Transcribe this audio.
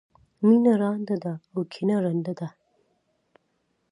مینه رانده ده او کینه ړنده ده.